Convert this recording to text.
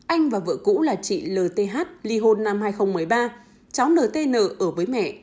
anh và vợ cũ là chị lth li hôn năm hai nghìn một mươi ba cháu ntn ở với mẹ